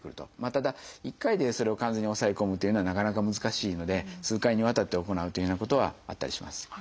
ただ一回でそれを完全に抑え込むというのはなかなか難しいので数回にわたって行うというようなことはあったりします。